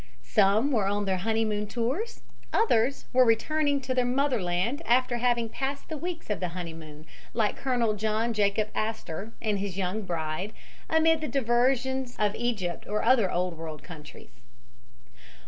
Some were on their honeymoon tours, others were returning to their motherland after having passed the weeks of the honeymoon, like Colonel John Jacob Astor and his young bride, amid the diversions of Egypt or other Old World countries.